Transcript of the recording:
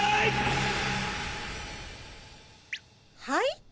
はい？